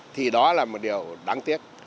thì đó là một điều đáng tiếc